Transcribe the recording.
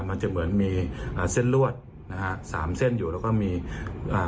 มันจะเหมือนมีอ่าเส้นลวดนะฮะสามเส้นอยู่แล้วก็มีอ่า